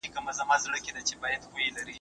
زه پرون د سبا لپاره د هنرونو تمرين کوم وم.